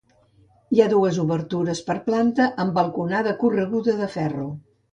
Hi ha dues obertures per planta amb balconada correguda de ferro.